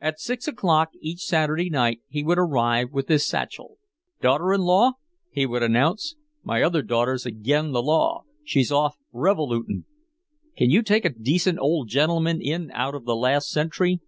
At six o'clock each Saturday night he would arrive with his satchel. "Daughter in law," he would announce, "my other daughter's agin the law, she's gone off revolooting. Can you take a decent old gentleman in out of the last century?